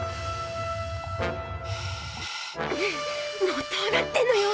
もうどうなってんのよ。